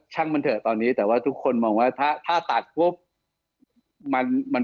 ่งมันเถอะตอนนี้แต่ว่าทุกคนมองว่าถ้าตัดปุ๊บมัน